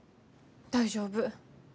大丈夫。